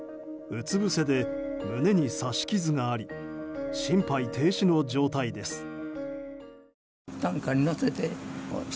うつぶせで胸に刺し傷があり心肺停止の状態です。